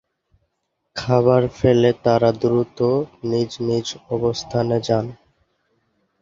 খাবার ফেলে তারা দ্রুত নিজ নিজ অবস্থানে যান।